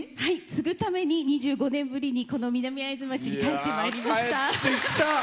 継ぐためにこの南会津町に帰ってまいりました。